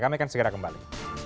kami akan segera kembali